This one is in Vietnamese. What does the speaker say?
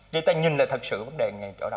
để ta nhìn lại thật sự vấn đề ngay chỗ đó